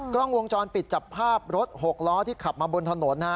กล้องวงจรปิดจับภาพรถ๖ล้อที่ขับมาบนถนน